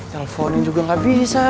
teleponnya juga gak bisa